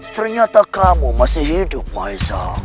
ternyata kamu masih hidup maesa